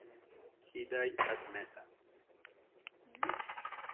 He died at Mesa.